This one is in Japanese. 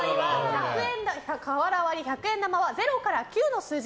瓦割り、百円玉は０から９の数字